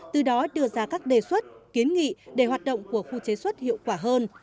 từ đó đưa ra các đề xuất kiến nghị để hoạt động của khu chế xuất hiệu quả hơn